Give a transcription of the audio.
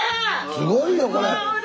すごいよこれ。